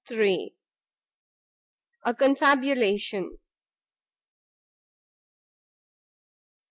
A CONFABULATION.